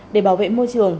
để bảo vệ môi trường